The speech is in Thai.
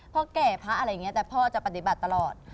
พ่อแก่พระอะไรอย่างนี้แต่พ่อจะปฏิบัติตลอด